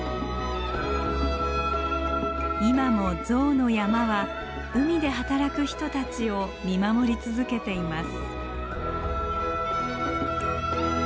今も象の山は海で働く人たちを見守り続けています。